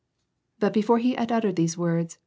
" But before he had uttered these words.